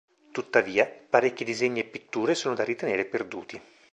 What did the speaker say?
Tuttavia, parecchi disegni e pitture sono da ritenere perduti.